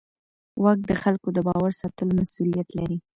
واک د خلکو د باور ساتلو مسوولیت لري.